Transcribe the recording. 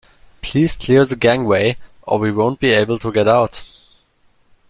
Please clear the gangway or we won't be able to get out